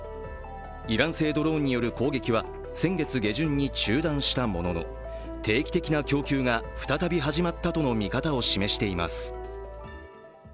イラン製ドローンによる攻撃は先月下旬に中断したものの定期的な供給が再び始まったとの見方を示しています。